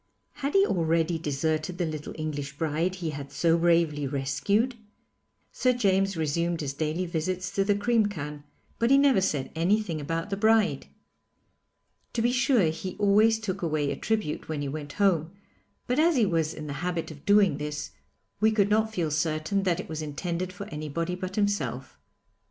Had he already deserted the little English bride he had so bravely rescued? Sir James resumed his daily visits to the cream can, but he never said anything about the bride. To be sure, he always took away a tribute when he went home, but as he was in the habit of doing this, we could not feel certain that it was intended for anybody but himself.